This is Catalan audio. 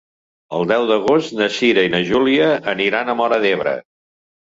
El deu d'agost na Cira i na Júlia aniran a Móra d'Ebre.